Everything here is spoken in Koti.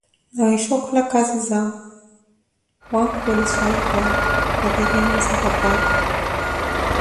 nawisha okhola khazizao wankhuwele swaahipu awo ate kimuuze hapari.